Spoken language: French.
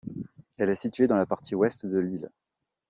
Elle est située dans la partie ouest de l'île.